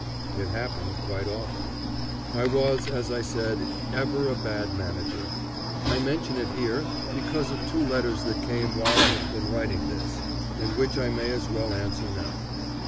It happened quite often. I was, as I said, ever a bad manager. I mention it here because of two letters that came while I have been writing this, and which I may as well answer now.